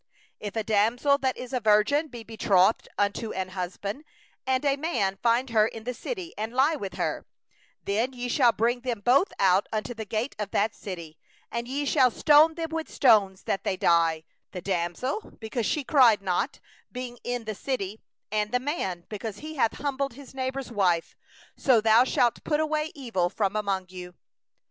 23If there be a damsel that is a virgin betrothed unto a man, and a man find her in the city, and lie with her; 24then ye shall bring them both out unto the gate of that city, and ye shall stone them with stones that they die: the damsel, because she cried not, being in the city; and the man, because he hath humbled his neighbour's wife; so thou shalt put away the evil from the midst of thee.